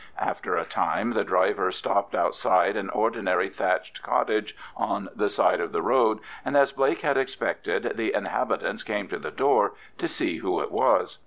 After a time the driver stopped outside an ordinary thatched cottage on the side of the road, and, as Blake had expected, the inhabitants came to the door to see who it was.